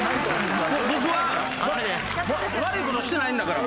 僕は悪いことしてないんだから。